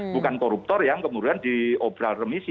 bukan koruptor yang kemudian diobral remisi